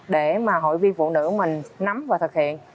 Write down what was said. để mà hội viên phụ nữ mình nắm và thực hiện